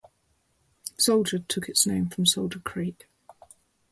Soldier took its name from Soldier Creek.